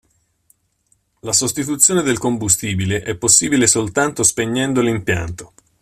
La sostituzione del combustibile è possibile soltanto spegnendo l'impianto.